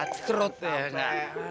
aduh kacrot ya